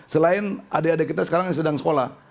selain adik adik kita sekarang yang sedang sekolah